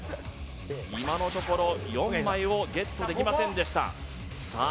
今のところ４枚をゲットできませんでしたさあ